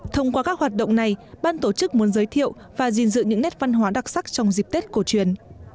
thông qua các hoạt động này ban tổ chức muốn giới thiệu và gìn giữ những nét văn hóa đặc sắc trong dịp tết cổ truyền